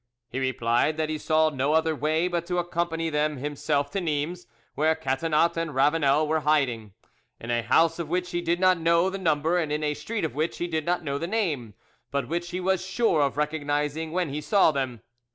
He replied that he saw no other way but to accompany them himself to Nimes, where Catinat and Ravanel were in hiding, in a house of which he did not know the number and in a street of which he did not know the name, but which he was sure of recognising when he saw them.